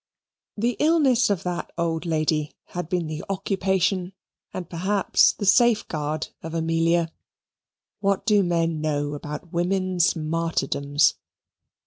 The illness of that old lady had been the occupation and perhaps the safeguard of Amelia. What do men know about women's martyrdoms?